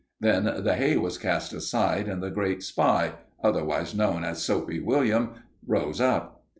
Then the hay was cast aside, and the great spy; otherwise known as Soapy William, rose up.